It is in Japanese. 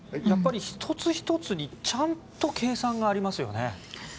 やっぱり１つ１つにちゃんと計算がありますよね。